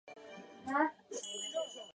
赠湖广按察使司佥事。